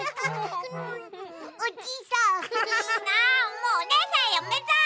もうおねえさんやめた！